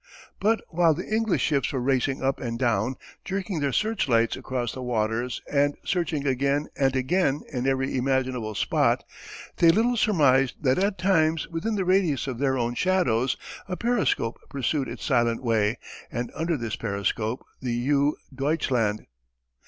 But while the English ships were racing up and down, jerking their searchlights across the waters and searching again and again in every imaginable spot, they little surmised that, at times within the radius of their own shadows, a periscope pursued its silent way, and under this periscope the U Deutschland.